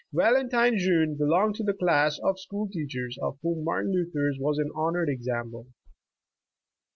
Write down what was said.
Valentine Jeune belonged to the class of school teachers of whom Martin Luther's was an honored ex ample.